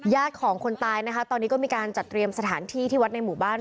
ของคนตายนะคะตอนนี้ก็มีการจัดเตรียมสถานที่ที่วัดในหมู่บ้าน